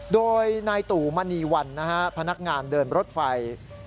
โดยนายตู่มณีวันนะฮะพนักงานเดินรถไฟ